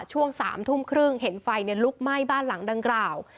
ช่วง๓ทุ่มครึ่งเห็นไฟลุกไหม้บ้านหลังดังกล่าว